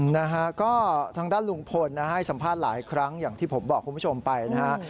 นะฮะก็ทางด้านลุงพลนะฮะให้สัมภาษณ์หลายครั้งอย่างที่ผมบอกคุณผู้ชมไปนะฮะ